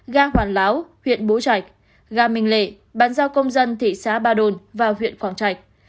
ga hoàng láo huyện bố trạch ga minh lệ bàn giao công dân thị xá ba đôn và huyện quảng trạch